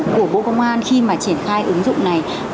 của bộ công an khi mà triển khai ứng dụng này